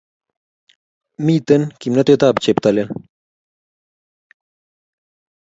Mitei kimnatet ab cheptailel